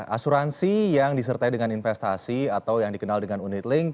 asuransi yang disertai dengan investasi atau yang dikenal dengan unit link